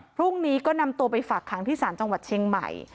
พรุ่งนี้ก็นำตัวไปฝากขังที่ศาลจังหวัดเชียงใหม่